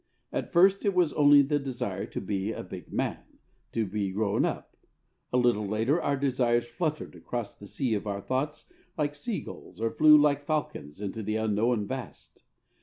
At first it was only the desire to be a "big man," to be grown up. A little later and our desires fluttered across the sea of our thoughts like sea gulls or flew like falcons into the unknown vast.